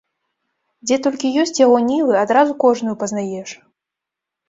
Дзе толькі ёсць яго нівы, адразу кожную пазнаеш.